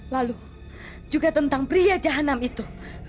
lalu juga tentang pria jahanam itu